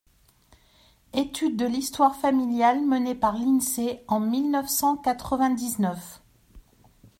Étude de l’histoire familiale menée par l’INSEE en mille neuf cent quatre-vingt-dix-neuf.